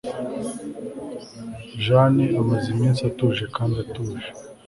jane amaze iminsi atuje kandi atuje